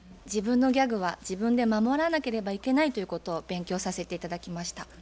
自分のギャグは自分で守らなければいけないということを勉強させて頂きました。